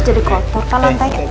jadi kotor kan lantai